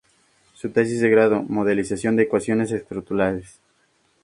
Su tesis de grado “Modelización de ecuaciones estructurales.